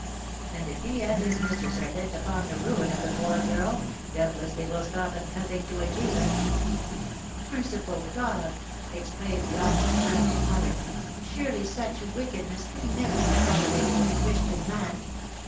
And if he and his mistress are bent upon the ruin of the poor girl, doubtless they will stop at nothing to achieve it." "Merciful God!" exclaimed the almost frantic mother, "surely such wickedness can never be tolerated in a Christian land!